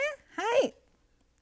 はい。